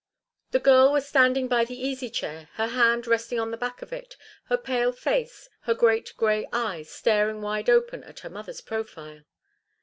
The girl was standing by the easy chair, her hand resting on the back of it, her face pale, her great grey eyes staring wide open at her mother's profile.